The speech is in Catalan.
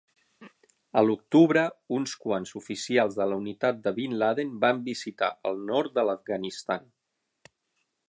A l'octubre, uns quants oficials de la unitat de Bin Laden van visitar el nord de l'Afganistan.